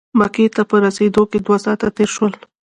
مکې ته په رسېدو کې دوه ساعته تېر شول.